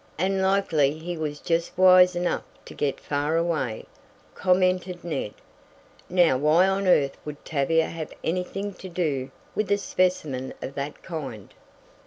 "And likely he was just wise enough to get far away," commented Ned. "Now why on earth would Tavia have anything to do with a specimen of that kind?"